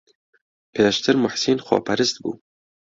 پێشتر موحسین خۆپەرست بوو.